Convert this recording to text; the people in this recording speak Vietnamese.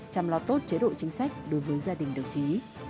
chăm lo tốt chế độ chính sách đối với gia đình đồng chí